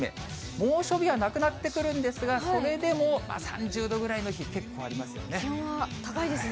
猛暑日はなくなってくるんですが、それでも３０度ぐらいの日、気温は高いですね。